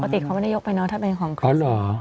ปกติเขาไม่ได้ยกไปเนาะถ้าเป็นของเขาเหรอ